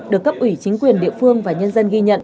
được cấp ủy chính quyền địa phương và nhân dân ghi nhận